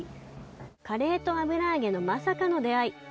カレーと油揚げのまさかの出会い。